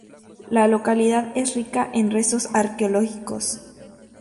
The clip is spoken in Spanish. La localidad es rica en restos arqueológicos.